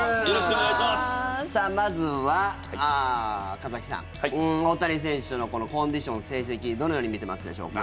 さあ、まずは川崎さん大谷選手のこのコンディション、成績どのように見てますでしょうか。